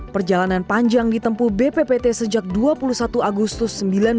perjalanan panjang ditempu bppt sejak dua puluh satu agustus seribu sembilan ratus empat puluh